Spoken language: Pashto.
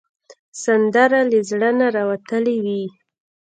سندره له زړه نه راوتلې وي